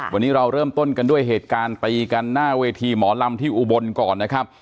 วันนี้เราเริ่มต้นกันด้วยเหตุการณ์ตีกันหน้าเวทีหมอลำที่อุบลก่อนนะครับ